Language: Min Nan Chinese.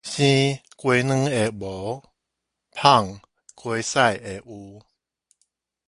生雞卵的無，放雞屎的有